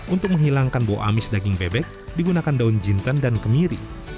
untuk menghilangkan bau amis daging bebek digunakan daun jinten dan kemiri